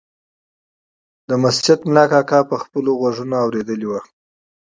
د جومات ملا کاکا په خپلو غوږونو اورېدلی و.